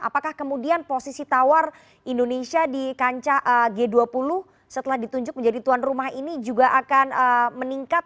apakah kemudian posisi tawar indonesia di kancah g dua puluh setelah ditunjuk menjadi tuan rumah ini juga akan meningkat